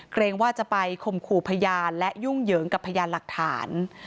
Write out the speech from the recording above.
เกรงว่าจะไปข่มขู่พยานและยุ่งเหยิงกับพยานหลักฐาน